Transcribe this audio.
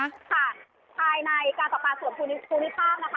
ค่ะภายในกาศกาสวมภูมิภาพนะคะ